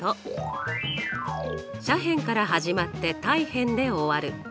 斜辺から始まって対辺で終わる。